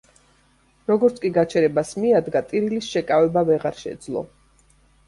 როგორც კი გაჩერებას მიადგა, ტირილის შეკავება ვეღარ შეძლო.